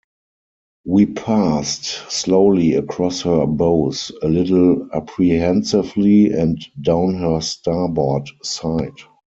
We passed slowly across her bows, a little apprehensively, and down her starboard side.